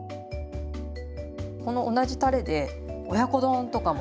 この同じたれで親子丼とかも。